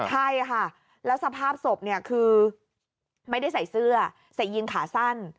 ใช่ค่ะแล้วสภาพศพเนี่ยคือไม่ได้ใส่เสื้อใส่ยีนขาสั้น